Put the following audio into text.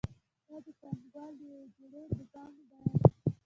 دا د پانګوال د یوې جوړې بوټانو بیه ده